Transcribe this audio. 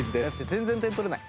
全然点取れない。